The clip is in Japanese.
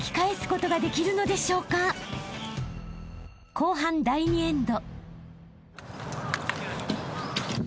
［後半第２エンド］